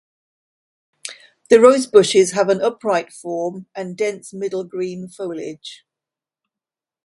The rosebushes have an upright form, and dense middle green foliage.